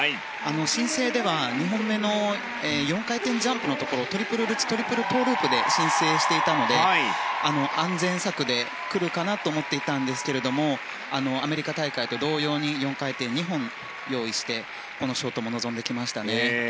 申請では２本目の４回転ジャンプのところトリプルルッツトリプルトウループで申請していたので安全策でくるかなと思っていたんですがアメリカ大会と同様に４回転を２本用意してこのショートも臨んできましたね。